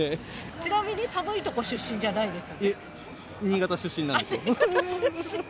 ちなみに、寒いとこ出身じゃないんですよね？